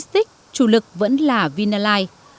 logistics chủ lực vẫn là vinilite